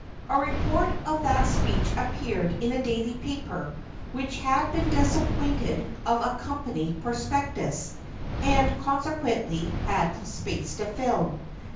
A report of that speech appeared in a daily paper which had been disappointed of a company prospectus, and consequently had space to fill.